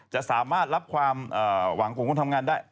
จะสามารถรับความหวังของคนทำงานได้